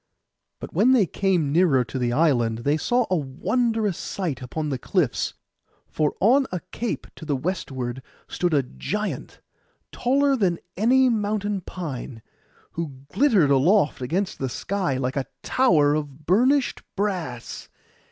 But when they came nearer to the island they saw a wondrous sight upon the cliffs. For on a cape to the westward stood a giant, taller than any mountain pine, who glittered aloft against the sky like a tower of burnished brass.